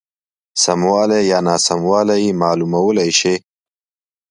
سموالی یا ناسموالی یې معلومولای شي.